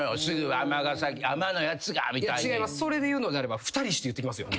それでいうのであれば２人して言ってきますよ。